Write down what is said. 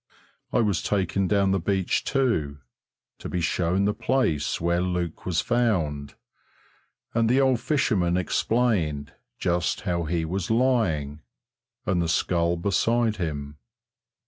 I was taken down to the beach, too, to be shown the place where Luke was found, and the old fisherman explained just how he was lying, and the skull beside him.